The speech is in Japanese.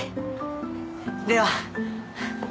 では。